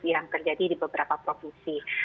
yang terjadi di beberapa provinsi